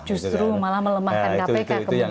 justru malah melemahkan kpk kemudian